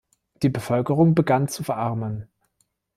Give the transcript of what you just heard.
Die Bevölkerung begann zu verarmen.